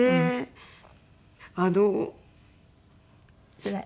つらい？